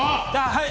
はい！